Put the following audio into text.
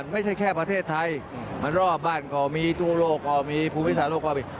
ไม่แค่ประเทศไทยมันรอบบ้านก่อมีทุกโลกก่อมีภูมิศาโลกก่อมี